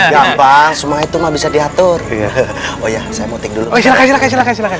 gampang semua itu nggak bisa diatur oh ya saya mau tinggal ke silakan silakan silakan silakan